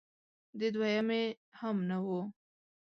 د دویمې هم نه و